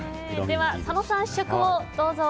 では、佐野さん試食をどうぞ。